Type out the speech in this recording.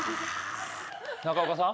中岡さん？